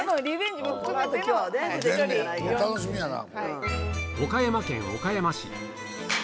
楽しみやな。